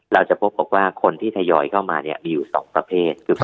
เราจะพบบอกว่าคนที่ทยอยเข้ามามีอยู่๒ประเภท